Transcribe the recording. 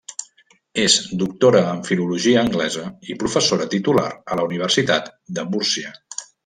És doctora en Filologia Anglesa i professora titular a la Universitat de Múrcia.